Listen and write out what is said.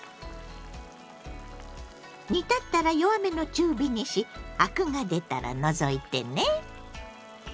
煮立ったら弱めの中火にしアクが出たら除いてね。